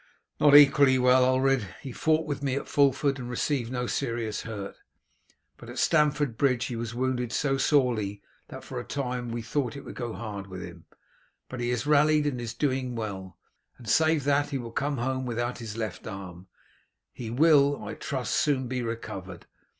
"Not equally well, Ulred. He fought with me at Fulford and received no serious hurt, but at Stamford Bridge he was wounded so sorely that for a time we thought it would go hard with him; but he has rallied and is doing well, and save that he will come home without his left arm, he will, I trust, soon be recovered.